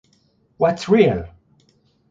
What's Real?